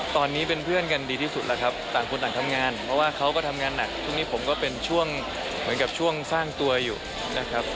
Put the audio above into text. ตอนนี้เป็นเพื่อนกันดีที่สุดแล้วครับต่างคนต่างทำงานเพราะว่าเขาก็ทำงานหนักช่วงนี้ผมก็เป็นช่วงเหมือนกับช่วงสร้างตัวอยู่นะครับ